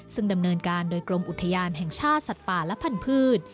ซึ่งดำเนินการโดยกรมอุทยานแห่งชาติสัตว์ป่าและพันธุ์